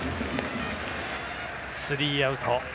スリーアウト。